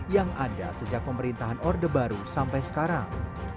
yang ada sejak pemerintahan orde baru sampai sekarang